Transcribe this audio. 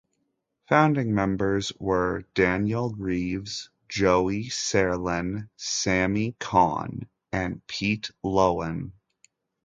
Founding members were Daniel Greaves, Joey Serlin, Sammy Kohn and Pete Loewen.